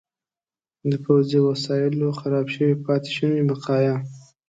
د پوځي وسایلو خراب شوي پاتې شوني بقایا.